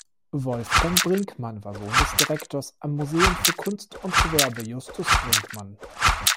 Wolfgang Brinckmann war Sohn des Direktors am Museum für Kunst und Gewerbe Justus Brinckmann.